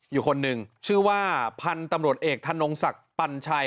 อยู่คนหนึ่งชื่อว่าพันธุ์ตำรวจเอกธนงศักดิ์ปัญชัย